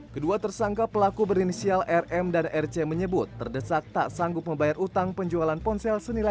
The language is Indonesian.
kedua tersangka pelaku berinisial rm dan rc menyebut terdesak tak sanggup membayar utang penjualan ponsel senilai